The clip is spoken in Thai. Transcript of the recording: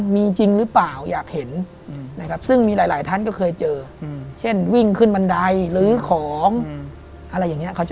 ไม่มีกลิ่นเลยอ่ะ